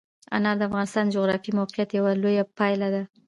انار د افغانستان د جغرافیایي موقیعت یوه لویه پایله ده.